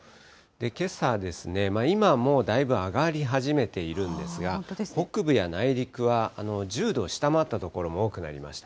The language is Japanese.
けさですね、今もうだいぶ上がり始めているんですが、北部や内陸は１０度を下回った所も多くなりました。